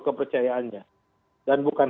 kepercayaannya dan bukan